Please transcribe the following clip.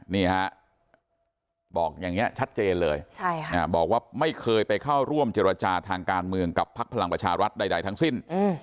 นี่ฮะบอกอย่างนี้ชัดเจนเลยบอกว่าไม่เคยไปเข้าร่วมเจรจาทางการเมืองกับพักพลังประชารัฐใดทั้งสิ้น